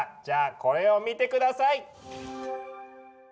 じゃあこれを見て下さい！